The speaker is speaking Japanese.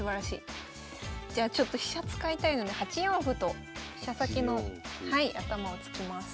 じゃあちょっと飛車使いたいので８四歩と飛車先の頭を突きます。